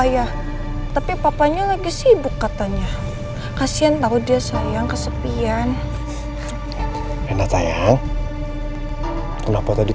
ayah tapi papanya lagi sibuk katanya kasihan tahu dia sayang kesepian anak saya kenapa tadi